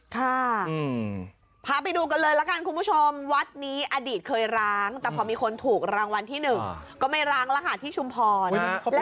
พาไปดูกันเลยละกันคุณผู้ชมวัดนี้อดีตเคยร้างแต่พอมีคนถูกรางวัลที่๑ก็ไม่ร้างแล้วค่ะที่ชุมพร